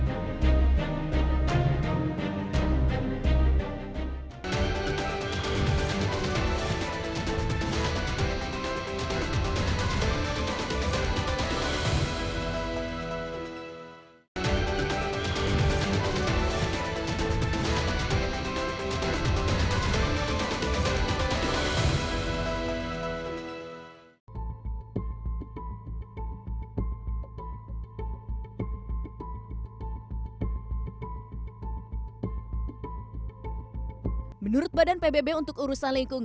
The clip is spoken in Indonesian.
bagaimana menurut badan pbb untuk urusan lingkungan